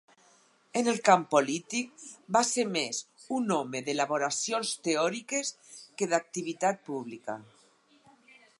En el camp polític, va ser més un home d'elaboracions teòriques que d'activitat pública.